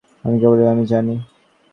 এরকম কোনো শব্দ যা কেবল আমি জানি।